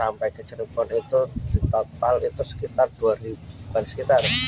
mencapai dua dua ratus tiga puluh sembilan hektare gagal panen